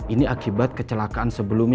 ini akibat kecelakaan sebelumnya